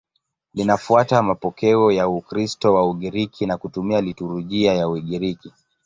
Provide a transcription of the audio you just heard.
Linafuata mapokeo ya Ukristo wa Ugiriki na kutumia liturujia ya Ugiriki.